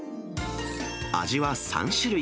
味は３種類。